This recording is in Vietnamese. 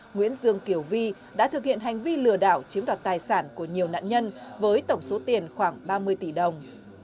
nguyễn dương kiều vi đã thực hiện hành vi lừa đảo chiếm đoạt tài sản của nhiều nạn nhân với tổng số tiền khoảng ba mươi tỷ đồng